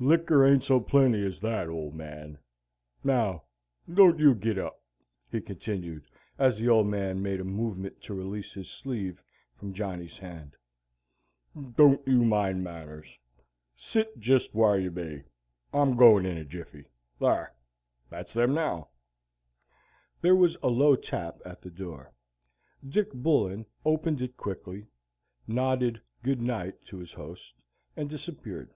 "Liquor ain't so plenty as that, Old Man. Now don't you git up," he continued, as the Old Man made a movement to release his sleeve from Johnny's hand. "Don't you mind manners. Sit jest whar you be; I'm goin' in a jiffy. Thar, that's them now." There was a low tap at the door. Dick Bullen opened it quickly, nodded "Good night" to his host, and disappeared.